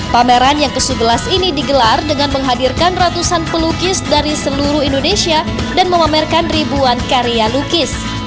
pameran yang ke sebelas ini digelar dengan menghadirkan ratusan pelukis dari seluruh indonesia dan memamerkan ribuan karya lukis